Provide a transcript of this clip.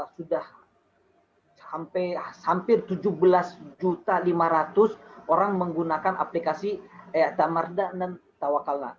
sudah sampai hampir tujuh belas lima ratus orang menggunakan aplikasi tamarda dan tawakalna